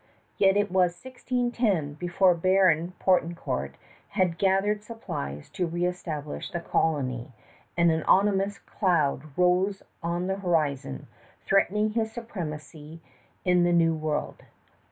Yet it was 1610 before Baron Poutrincourt had gathered supplies to reëstablish the colony, and an ominous cloud rose on the horizon, threatening his supremacy in the New World.